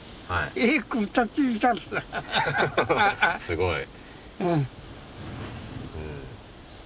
すごい。